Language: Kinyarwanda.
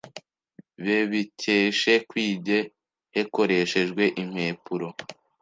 bebikeshe kwige hekoreshejwe impepuro